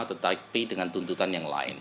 tetapi dengan tuntutan yang lain